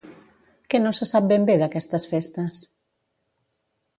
Què no se sap ben bé d'aquestes festes?